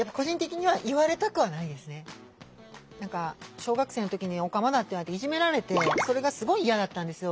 小学生の時にオカマだって言われていじめられてそれがすごい嫌だったんですよ。